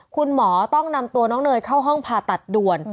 คุณหมอต้องนำตัวน้องเนยเข้าห้องผ่าตัดด่วน